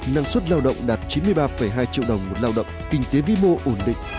năng suất lao động đạt chín mươi ba hai triệu đồng một lao động kinh tế vĩ mô ổn định